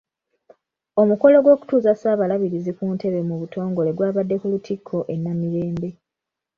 Omukolo gw'okutuuza Ssaabalabirizi ku ntebe mu butongole gwabadde ku Lutikko e Namirembe.